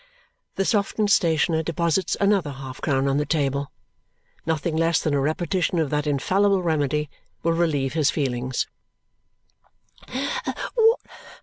The softened stationer deposits another half crown on the table. Nothing less than a repetition of that infallible remedy will relieve his feelings.